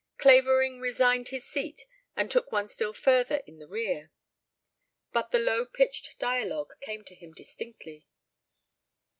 Clavering resigned his seat and took one still further in the rear. But the low pitched dialogue came to him distinctly.